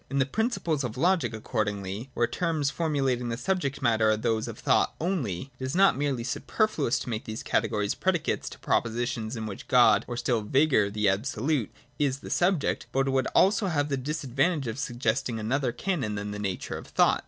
In the principles of logic, accordingly, where the terms formu lating the subject matter are those of thought only, it is not merely superfluous to make these categories predi cates to propositions in which God, or, still vaguer, the Absolute, is the subject, but it would also have the disadvantage of suggesting another canon than the nature of thought.